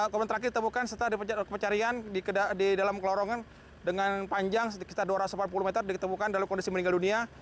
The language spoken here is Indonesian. korban terakhir ditemukan setelah pencarian di dalam kelorongan dengan panjang sekitar dua ratus delapan puluh meter ditemukan dalam kondisi meninggal dunia